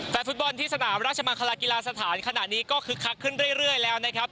ฟุตบอลที่สนามราชมังคลากีฬาสถานขณะนี้ก็คึกคักขึ้นเรื่อยแล้วนะครับ